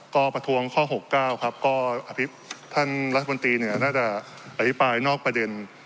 ก็ประทวงข้อหกเก้าครับก็ท่านรัฐบนตรีเนี่ยน่าจะอธิบายนอกประเด็น